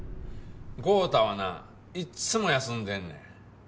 豪太はないっつも休んでんねん。